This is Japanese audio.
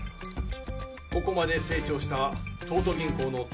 「ここまで成長した東都銀行の」